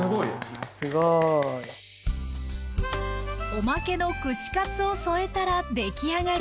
おまけの串カツを添えたらできあがり！